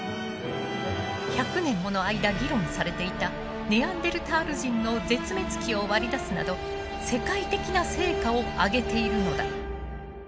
１００年もの間議論されていたネアンデルタール人の絶滅期を割り出すなど世界的な成果を上げているのだ。